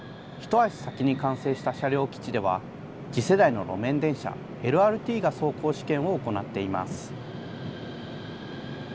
一足先に完成した車両基地では、次世代の路面電車、ＬＲＴが走行試験を行っています。